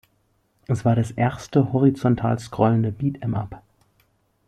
Es war das erste horizontal-scrollende "Beat ’em up".